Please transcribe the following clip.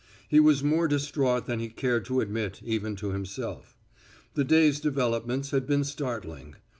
He was more distraught than he cared to admit even to himself. The day's developments had been startling.